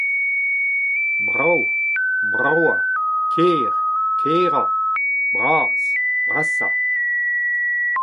brav, bravañ, ker, kerañ, bras, brasañ